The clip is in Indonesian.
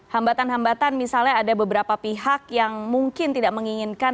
hambatan hambatan misalnya ada beberapa pihak yang mungkin tidak menginginkan